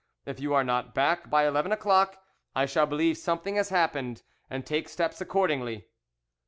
If you are not back by eleven o'clock, I shall believe something has happened, and take steps accordingly.